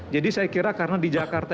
jadi saya kira karena di jakarta